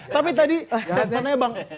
tapi tadi statementnya bang